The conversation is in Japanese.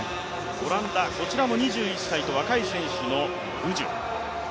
オランダ、こちらも２１歳という若い選手のブジュ。